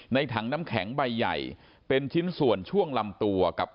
ถังน้ำแข็งใบใหญ่เป็นชิ้นส่วนช่วงลำตัวกับ